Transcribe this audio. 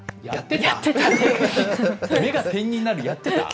やってた？